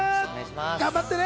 頑張ってね。